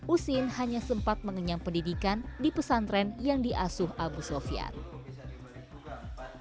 usin hanya sempat mengenyam pendidikan di pesantren yang diasuh abu sofian